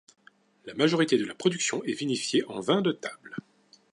La majorité de la production est vinifié en vin de table.